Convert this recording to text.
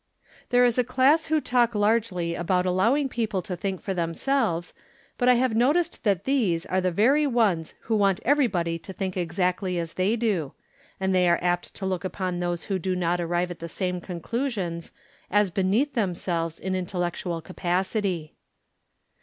There is a class who talk largely about allow ing people to think for themselves, but I have noticed that these are the very ones who want 170 180 From Different Standpoints. everybody to think exactly as they do, and they are apt to look upon those who do not arrive at the same conclusions as beneath themselves in intellectual capacity.